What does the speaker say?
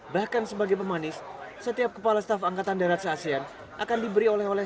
bahkan sebagai pemanis setiap kepala staf angkatan darat se asean akan diberi oleh oleh